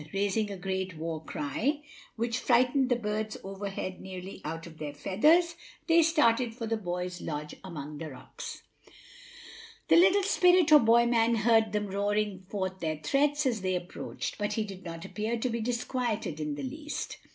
Raising a great war cry, which frightened the birds overhead nearly out of their feathers, they started for the boy's lodge among the rocks. The little spirit or boy man heard them roaring forth their threats as they approached, but he did not appear to be disquieted in the least.